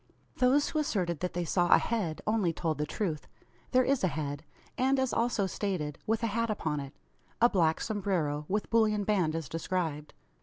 Those who asserted that they saw a head, only told the truth. There is a head; and, as also stated, with a hat upon it a black sombrero, with bullion band as described.